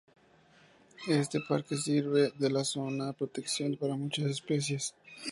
Este parque sirve de zona de protección para muchas especies.